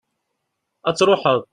ad truḥeḍ